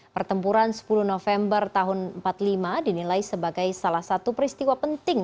pertempuran sepuluh november tahun seribu sembilan ratus empat puluh lima dinilai sebagai salah satu peristiwa penting